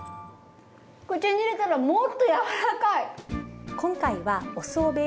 口に入れたらもっと柔らかい！